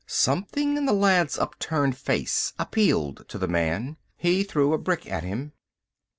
Something in the lad's upturned face appealed to the man. He threw a brick at him.